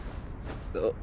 あっ。